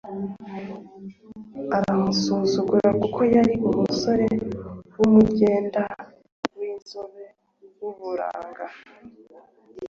aramusuzugura kuko yari umusore w’umugenda, w’inzobe w’uburanga.